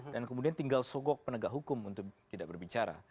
dan kemudian tinggal sogok penegak hukum untuk tidak berbicara